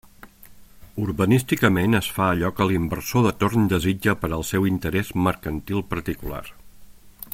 Urbanísticament es fa allò que l'inversor de torn desitja per al seu interés mercantil particular.